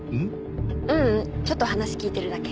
ううんちょっと話聞いてるだけ。